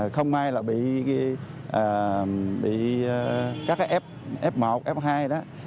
không may là bị các cái f f một f hai đó